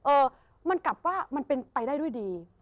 เออมันกลับว่ามันเป็นไปได้ด้วยดี